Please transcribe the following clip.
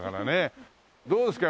どうですか？